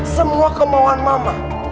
semua kemauan mama